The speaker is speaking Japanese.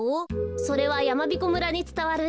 それはやまびこ村につたわる